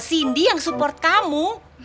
cindy yang support kamu